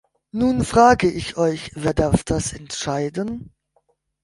Nur frage ich euch, wer darf das entscheiden?